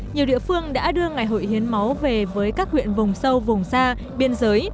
nhiều địa phương đã đưa ngày hội hiến máu về với các huyện vùng sâu vùng xa biên giới